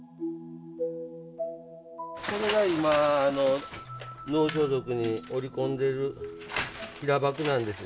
これが今能装束に織り込んでる平箔なんです。